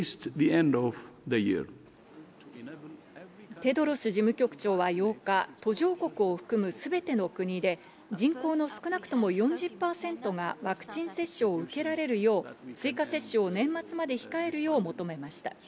テドロス事務局長は８日、途上国を含むすべての国で人口の少なくとも４０％がワクチン接種を受けられるよう、追加接種を年末まで控えるよう求めました。